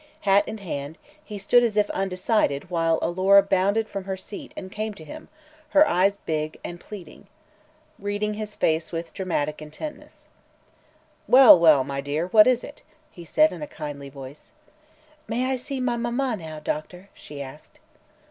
Hat in hand, he stood as if undecided while Alora bounded from her seat and came to him, her eyes, big and pleading, reading his face with dramatic intentness. "Well, well, my dear; what is it?" he said in a kindly voice. "May I see my mamma now, Doctor?" she asked.